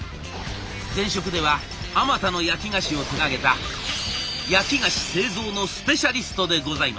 前職ではあまたの焼き菓子を手がけた焼き菓子製造のスペシャリストでございました。